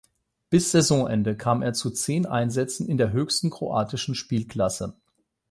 Bis Saisonende kam er zu zehn Einsätzen in der höchsten kroatischen Spielklasse.